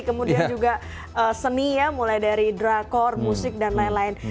kemudian juga seni ya mulai dari drakor musik dan lain lain